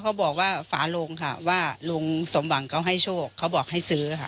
เขาบอกว่าฝาโลงค่ะว่าลุงสมหวังเขาให้โชคเขาบอกให้ซื้อค่ะ